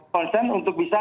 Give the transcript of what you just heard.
konsen untuk bisa